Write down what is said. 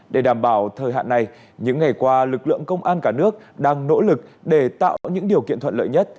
để đảm bảo thời hạn này những ngày qua lực lượng công an cả nước đang nỗ lực để tạo những điều kiện thuận lợi nhất